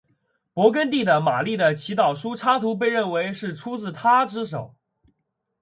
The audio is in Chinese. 勃艮第的马丽的祈祷书插图被认为是出自他之手。